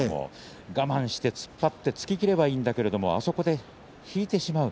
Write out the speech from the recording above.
我慢して突っ張って突ききればいいんだけれどもあそこで引いてしまう。